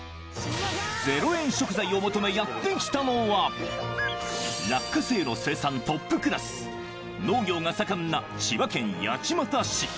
０円食材を求め、やって来たのは、落花生の生産トップクラス、農業が盛んな千葉県八街市。